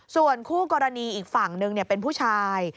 ส่วนคู่กรณีอีกฝั่งหนึ่งเป็นผู้ชาย